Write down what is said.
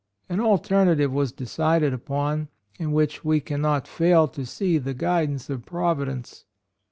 An alternative was decided upon, in which we can not fail to see the guidance of Providence.